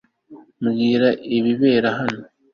Mbwira ibibera hano